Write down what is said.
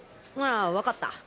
ああわかった。